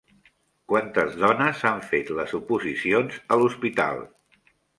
Quantes dones han fet les oposicions a l'hospital?